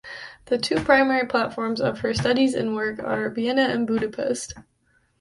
The two primary platforms of her studies and work are Vienna and Budapest.